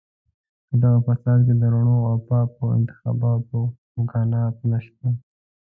په دغه فساد کې د رڼو او پاکو انتخاباتو امکانات نشته.